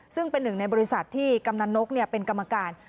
ซึ่งเป็นหนึ่งในบริษัทที่กำนันนกเป็นกรรมการ